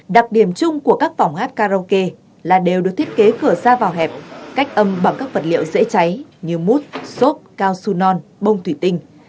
đặc điểm chung của các phòng hát karaoke là đều được thiết kế cửa ra vào hẹp cách âm bằng các vật liệu dễ cháy như mút xốp cao su non bông thủy tinh